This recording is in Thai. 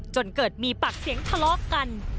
จนเกิดมีปากเสียงทะเลาะกัน